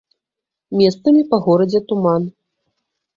Месцамі па горадзе туман.